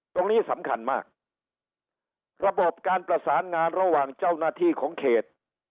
ตรงนี้สำคัญมากระบบการประสานงานระหว่างเจ้าหน้าที่ของเขต